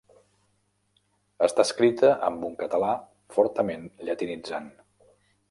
Està escrita amb un català fortament llatinitzant.